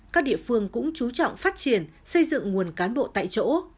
các địa phương cũng chú trọng phát triển xây dựng nguồn cán bộ tại chỗ